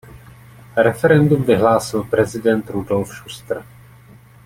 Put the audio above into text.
Referendum vyhlásil prezident Rudolf Schuster.